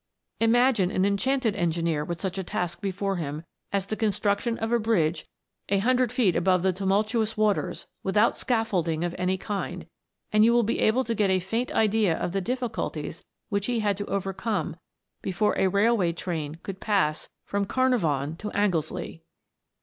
Imagine an enchanted engineer with such a task before him as the construction of a bridge a hundred feet above the tumultuous waters, without scaffold ing of any kind, and you will be able to get a faint idea of the difficulties which he had to overcome before a railway train could pass from Carnarvon to Anglesey.